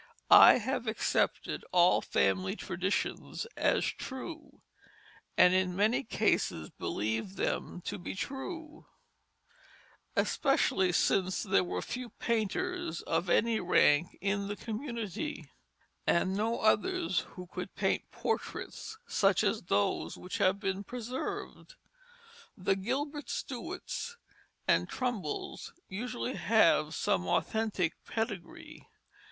I have accepted all family traditions as true, and in many cases believe them to be true, especially since there were few painters of any rank in the community, and no others who could paint portraits such as those which have been preserved. The Gilbert Stuarts and Trumbulls usually have some authentic pedigree.